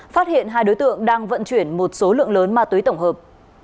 phát hiện hai đối tượng đang vận chuyển một số lượng lớn ma túy tổng hợp